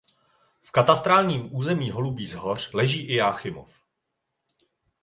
V katastrálním území Holubí Zhoř leží i Jáchymov.